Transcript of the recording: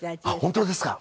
本当ですか？